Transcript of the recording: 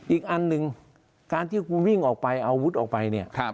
อีกอันหนึ่งการที่คุณวิ่งออกไปเอาอาวุธออกไปเนี่ย